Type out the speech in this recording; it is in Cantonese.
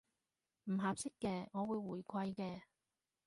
唔合適嘅，我會回饋嘅